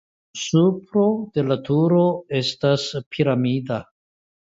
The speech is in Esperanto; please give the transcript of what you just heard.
Supro de la turo estas piramida.